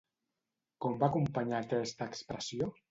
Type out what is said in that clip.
Com va acompanyar aquesta expressió?